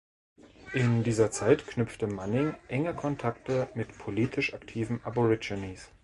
In dieser Zeit knüpfte Manning enge Kontakte mit politisch aktiven Aborigines.